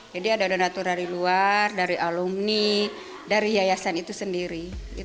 jadi ada donatur dari luar dari alumni dari yayasan itu sendiri